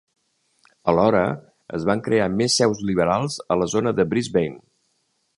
Alhora, es van crear més seus liberals a la zona de Brisbane.